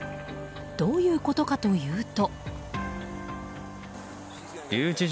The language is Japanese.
どういうことかというと。